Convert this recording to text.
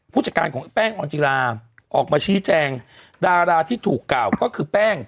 ผู้จัดการของแป้งออนจิลาออกมาชี้แจงดาราที่ถูกกล่าวก็คือแป้ง